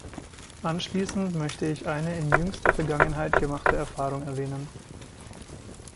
Abschließend möchte ich eine in jüngster Vergangenheit gemachte Erfahrung erwähnen.